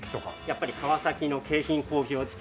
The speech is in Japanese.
やっぱり川崎の京浜工業地帯。